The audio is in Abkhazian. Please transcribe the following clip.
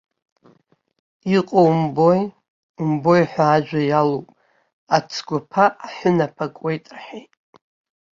Иҟоу умбои, умбои ҳәа ажәа иалоуп, ацгәы аԥа аҳәынаԥ акуеит рҳәеит.